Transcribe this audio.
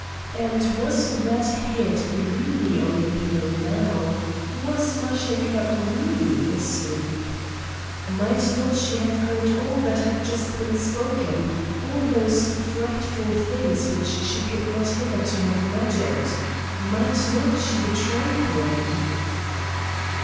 And was that head really on the pillow now? Was Mashinka really asleep? Might not she have heard all that had just been spoken all those frightful things which she could not hitherto have imagined? ... Might not she betray him?